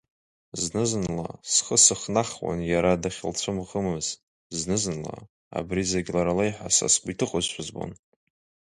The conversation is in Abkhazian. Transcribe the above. Зны-зынла схы сыхнахуан иара дахьылцәымӷымыз, зны-зынла абри зегь лара леиҳа са сгәы иҭыхозшәа збон.